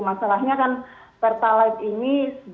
masalahnya kan pertalite ini